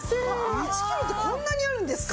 １キロってこんなにあるんですか？